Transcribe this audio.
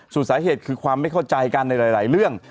ส่วนสาเหตุคือความไม่เข้าใจกันในหลายเรื่อง